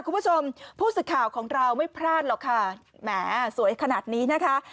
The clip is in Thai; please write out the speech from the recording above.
คุณผู้ชมผู้สื่อข่าวของเราไม่พลาดหรอกค่ะแหมสวยขนาดนี้นะคะ